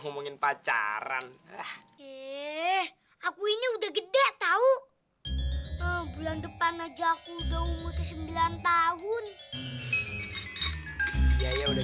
ngomongin pacaran eh aku ini udah gede tau bulan depan aja aku udah umur sembilan tahun yaya udah